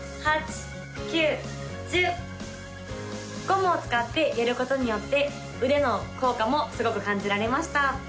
１２３４５６７８９１０ゴムを使ってやることによって腕の効果もすごく感じられました